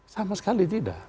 sama sekali tidak